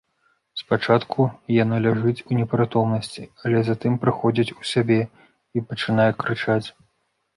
Спачатку яна ляжыць у непрытомнасці, але затым прыходзіць у сябе і пачынае крычаць.